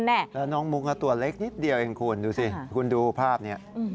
แล้วน้องมุกตัวเล็กนิดเดียวเองคุณดูสิคุณดูภาพนี้